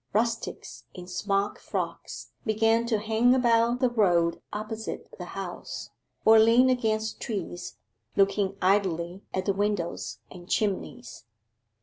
Rustics in smock frocks began to hang about the road opposite the house, or lean against trees, looking idly at the windows and chimneys.